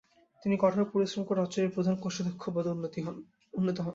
তিনি কঠোর পরিশ্রম করে অচিরেই প্রধান কোষাধ্যক্ষ পদে উন্নীত হন।